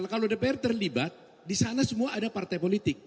nah kalau dpr terlibat disana semua ada partai politik